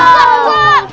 enggak enggak enggak enggak